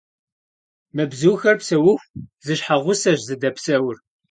Мы бзухэр псэуху зы щхьэгъусэщ зыдэпсэур.